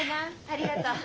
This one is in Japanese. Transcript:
ありがとう。